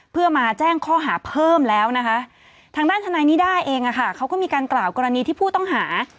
เพื่อมาแจ้งข้อหาเพิ่มแล้วนะคะทางด้านทนายนิด้าเองอะค่ะเขาก็มีการกล่าวกรณีที่ผู้ต้องหา